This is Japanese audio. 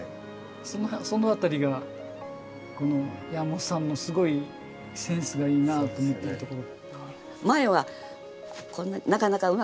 その辺りが山本さんのすごいセンスがいいなあと思ってるところ。